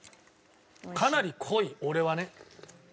かなり濃い俺はね。